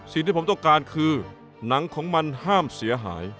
สิ่งที่ผมต้องการคือหนังของมันห้ามเสียหาย